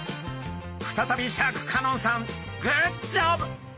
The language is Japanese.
再びシャーク香音さんグッジョブ！